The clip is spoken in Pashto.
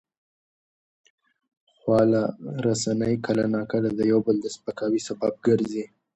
خواله رسنۍ کله ناکله د یو بل د سپکاوي سبب ګرځي.